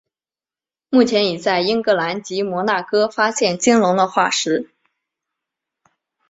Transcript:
目前已在英格兰及摩纳哥发现鲸龙的化石。